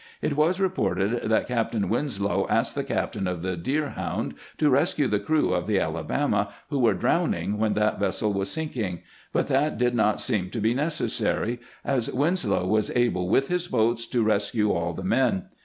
It was reported that Captain Winslow asked the captain of the Deerhound to rescue the crew of the Alabama, who were drowning when that vessel was sinking ; but that did not seem to be neces SEWAED VISITS GEANT 2o5 sary, as Winslow was able with, his boats to rescue all the men.